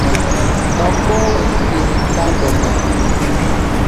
Nokowi pinintatena.